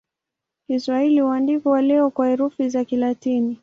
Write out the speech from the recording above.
Kiswahili huandikwa leo kwa herufi za Kilatini.